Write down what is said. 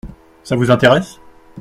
Ça vous intéresse ?